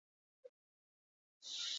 Egoera asko aldatu da.